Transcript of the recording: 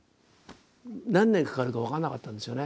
何年かかるか分からなかったんですよね。